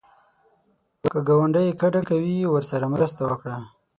که ګاونډی کډه کوي، ورسره مرسته وکړه